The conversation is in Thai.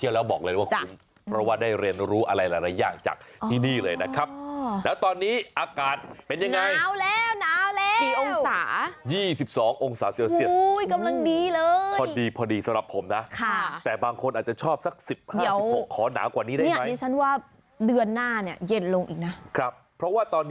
อากาศเป็นยังไงหนาวแล้ว